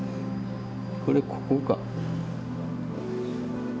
これここか？